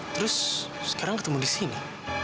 terus sekarang ketemu disini